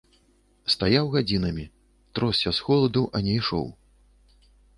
Стаяў гадзінамі, тросся з холаду, а не ішоў.